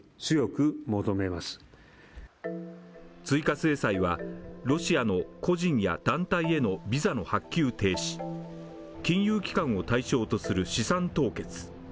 追加制裁はロシアの個人や団体へのビザの発給停止、金融機関を対象とする資産凍結